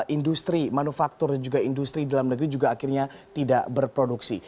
industri manufaktur dan juga industri dalam negeri juga akhirnya tidak berproduksi